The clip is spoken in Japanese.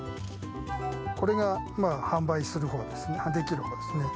これが販売するほうですね、できるほうですね。